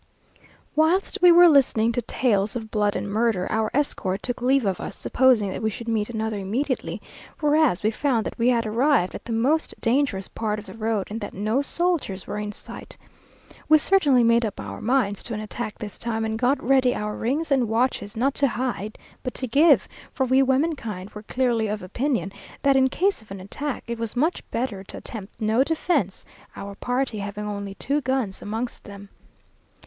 Whilst we were listening to tales of blood and murder, our escort took leave of us, supposing that we should meet another immediately, whereas we found that we had arrived at the most dangerous part of the road, and that no soldiers were in sight. We certainly made up our minds to an attack this time, and got ready our rings and watches, not to hide, but to give, for we womenkind were clearly of opinion, that in case of an attack, it was much better to attempt no defence, our party having only two guns amongst them.